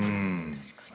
確かに。